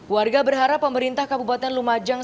warga berharap pemerintah kabupaten lumajang